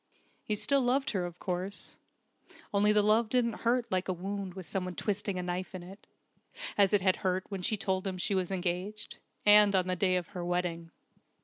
He still loved her, of course, only the love didn't hurt like a wound with someone twisting a knife in it, as it had hurt when she told him she was engaged, and on the day of her wedding.